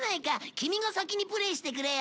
キミが先にプレイしてくれよ。